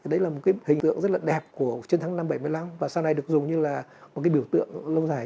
đấy là một cái hình tượng rất là đẹp của chiến thắng năm bảy mươi năm và sau này được dùng như là một cái biểu tượng lâu dài